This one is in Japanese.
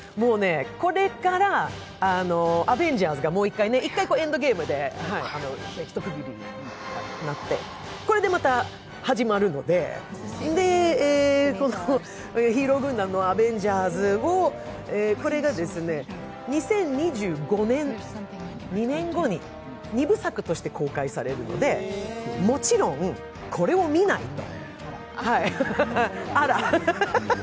これから「アベンジャーズ」がもう一回ね、１回、「エンドゲーム」で一区切りになって、これでまた始まるのでヒーロー軍団のアベンジャーズを２０２５年、２年後に２部作として公開されるのでもちろんこれを見ないと。